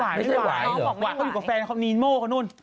น้องบอกไม่หวายเขาอยู่กับแฟนเค้านีโม่เค้านู่น